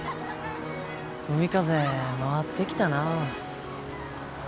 海風回ってきたなあ。